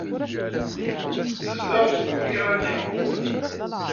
Tezdeɣ deg Ukṛanya.